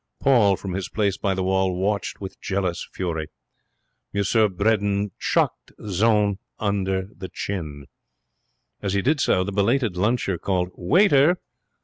Paul, from his place by the wall, watched with jealous fury. M. Bredin chucked Jeanne under the chin. As he did so, the belated luncher called 'Waiter!'